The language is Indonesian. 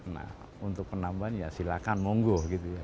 nah untuk penambahan ya silakan monggo gitu ya